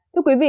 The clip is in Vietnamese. thưa quý vị